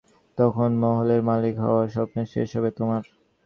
তখন, মহলের মালিক হওয়ার, স্বপ্নের শেষ হবে তোমার।